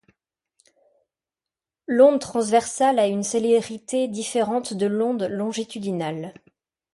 L'onde transversale a une célérité différente de l'onde longitudinale.